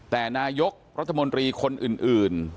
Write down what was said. แต่นายกรัฐมนตรีคนอื่น